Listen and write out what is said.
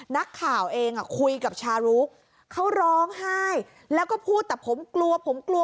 นักข่าวเองคุยกับชารุกเขาร้องไห้แล้วก็พูดแต่ผมกลัวผมกลัว